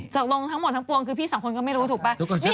ตกลงทั้งหมดทั้งปวงคือพี่สองคนก็ไม่รู้ถูกป่ะ